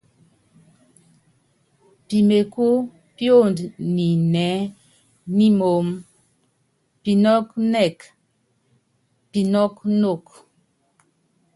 Píméku píond ninɛ nímoóm, pinɔ́k nɛ́k pinɔ́k nok.